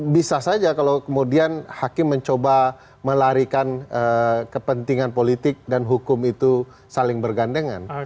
bisa saja kalau kemudian hakim mencoba melarikan kepentingan politik dan hukum itu saling bergandengan